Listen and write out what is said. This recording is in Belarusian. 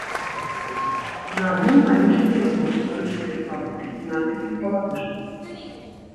На адным галёшы кляймо рыжскай фабрыкі і надпісы па-латышску.